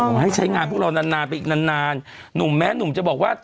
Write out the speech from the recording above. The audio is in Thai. ให้ใช้งานพวกเรานานนานไปอีกนานนานหนุ่มแม้หนุ่มจะบอกว่า